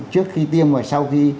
trước khi tiêm và sau khi